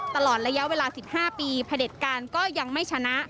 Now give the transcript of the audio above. ตลอดระยะเวลา๑๕ปีพระเด็จการก็ยังไม่ชนะ